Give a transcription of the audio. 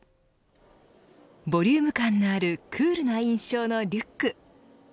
ボリューム感のあるクールな印象のリュック。